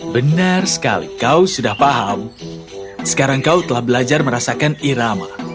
benar sekali kau sudah paham sekarang kau telah belajar merasakan irama